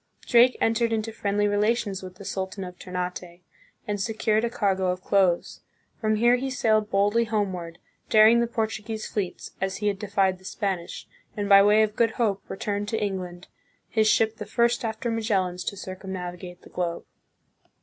Drake entered into friendly relations with the sultan of Ternate, and secured a cargo of cloves. From here he sailed boldly homeward, daring the Portuguese fleets, as he had defied the Spanish, and by way of Good Hope returned to England, his ship the first after Magellan's to circum navigate the globe.